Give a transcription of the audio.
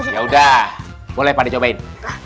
yaudah boleh pade cobain